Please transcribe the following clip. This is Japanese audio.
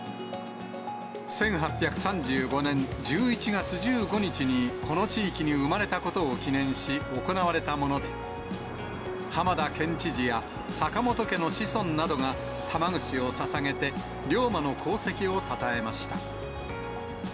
１８３５年１１月１５日にこの地域に生まれたことを記念し、行われたもので、浜田県知事や坂本家の子孫などが玉串をささげて龍馬の功績をたたえました。